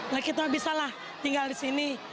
nah kita bisa lah tinggal di sini